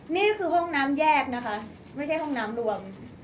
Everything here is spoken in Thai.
นี่คือห้องน้ำแยกนะคะไม่ใช่ห้องน้ำรวม